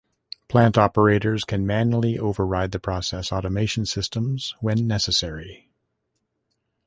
Plant operators can manually override the process automation systems when necessary.